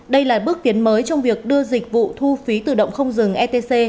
đây là bước tiến mới trong việc đưa dịch vụ thu phí tự động không dừng etc